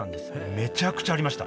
めちゃくちゃありました。